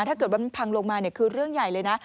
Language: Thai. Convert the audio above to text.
ถ้าเกิดว่ามันพังลงมาคือเรื่องใหญ่เลยนะ